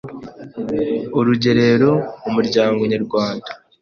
Urugerero mu muryango nyarwanda,